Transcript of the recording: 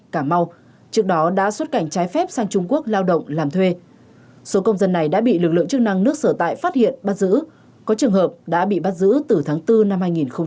các công dân này đã bị lực lượng chức năng nước sở tại phát hiện bắt giữ có trường hợp đã bị bắt giữ từ tháng bốn năm hai nghìn một mươi chín